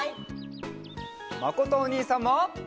まことおにいさんも。